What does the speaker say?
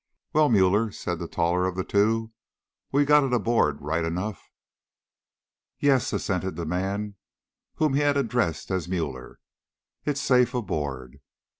"Well, Müller," said the taller of the two, "we've got it aboard right enough." "Yes," assented the man whom he had addressed as Müller, "it's safe aboard."